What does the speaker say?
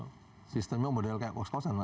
untuk sistem modelnya kayak kos kosan mbak